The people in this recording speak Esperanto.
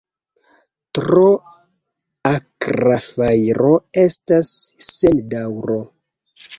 Tro akra fajro estas sen daŭro.